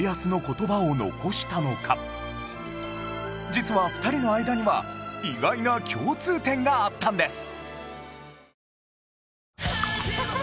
実は２人の間には意外な共通点があったんです